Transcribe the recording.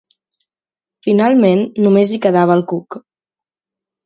Finalment, només hi quedava el cuc.